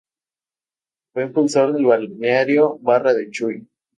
Fue impulsor del balneario Barra del Chuy.